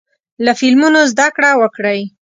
له فلمونو زده کړه وکړئ.